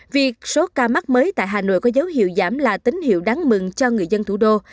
việc số ca mắc mới tại hà nội có dấu hiệu giảm là tín hiệu đáng mừng cho người dân thủ đô